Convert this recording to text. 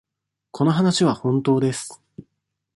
この話は本当です。